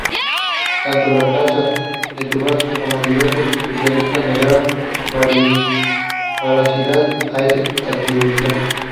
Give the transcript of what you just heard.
Tanto la casa de subastas como diversos especialistas negaron veracidad a esa atribución.